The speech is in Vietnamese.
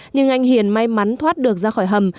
nhưng anh hiền may mắn thoát được ra khỏi hầm